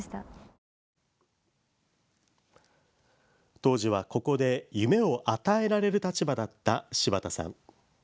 当時は、ここで夢を与えられる立場だった柴田さん。